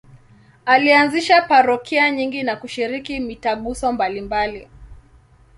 Alianzisha parokia nyingi na kushiriki mitaguso mbalimbali.